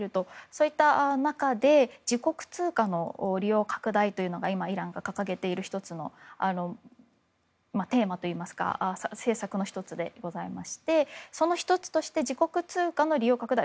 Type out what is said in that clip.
そういった中で自国通貨の利用拡大というのが今、イランが掲げている１つのテーマといいますか政策の１つでしてその１つとして自国通貨の利用拡大。